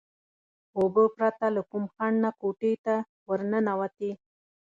اوبه پرته له کوم خنډ نه کوټې ته ورننوتې.